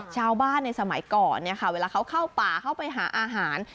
ชาวบ้านในสมัยก่อนเวลาเขาเข้าป่าเข้าไปหาอาหาร